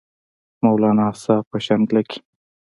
مولانا صاحب پۀ شانګله کښې